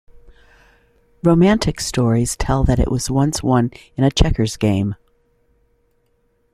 Romantic stories tell that it was once won in a checkers game.